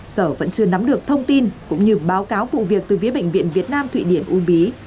sở vẫn chưa nắm được thông tin cũng như báo cáo vụ việc từ phía bệnh viện việt nam thụy điển uông bí